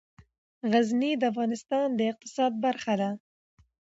غزني د افغانستان د اقتصاد برخه ده.